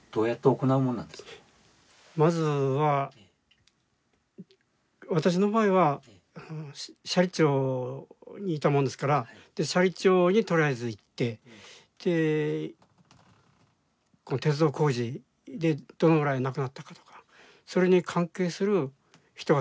まずは私の場合は斜里町にいたもんですから斜里町にとりあえず行って鉄道工事でどのぐらい亡くなったかとかそれに関係する人がたはいないかとか。